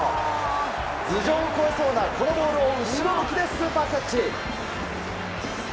頭上を越えそうなこのボールを後ろ向きでスーパーキャッチ！